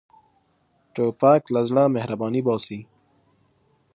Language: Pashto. توپک له زړه مهرباني باسي.